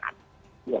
tapi nggak ada telsiah